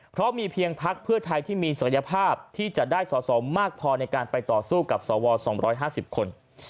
เพราะมีเพียงพักเพื่อไทยที่มีศักยภาพที่จะได้สอสอมากพอในการไปต่อสู้กับสว๒๕๐คน